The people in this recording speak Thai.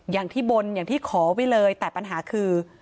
อย่างที่บนอย่างที่ขอไว้เลยแต่ปัญหาคือ